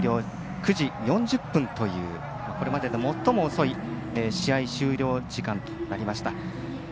９時４０分というこれまでで最も遅い試合終了時間となりました。